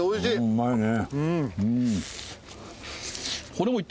うまいね。